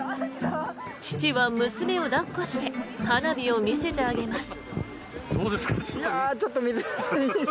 父は娘を抱っこして花火を見せてあげます。